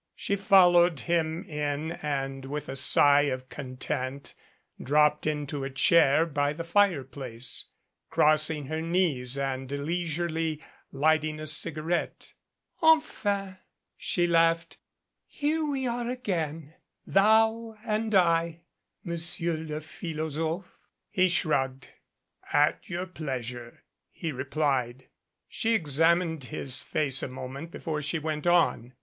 She followed him in and with a sigh of content dropped into a chair 230 NEMESIS by the fireplace, crossing her knees and leisurely lighting a cigarette. "Enfin," she laughed. "Here we are again thou and I, Monsieur le philosopke." He shrugged. "At your pleasure," he replied. She examined his face a moment before she went on.